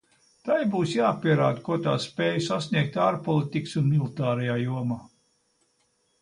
Tai būs jāpierāda, ko tā spēj sasniegt ārpolitikas un militārajā jomā.